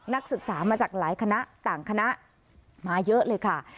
นักศึกษามาจากหลายคณะต่างคณะมาเยอะเลยค่ะ